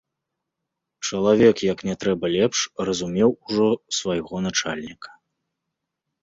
Чалавек, як не трэба лепш, разумеў ужо свайго начальніка.